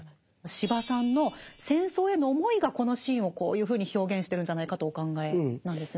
司馬さんの戦争への思いがこのシーンをこういうふうに表現してるんじゃないかとお考えなんですよね。